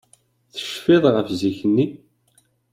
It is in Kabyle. Tecfiḍ ɣef zik-nni?